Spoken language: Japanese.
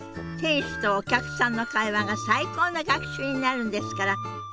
店主とお客さんの会話が最高の学習になるんですから。